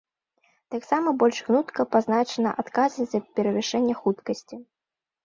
Таксама больш гнутка пазначана адказнасць за перавышэнне хуткасці.